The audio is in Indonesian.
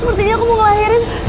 sepertinya aku mau ngelahirin